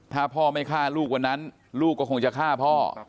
ถ้าพ่อไม่ฆ่าลูกวันนั้นลูกก็คงจะฆ่าพ่อ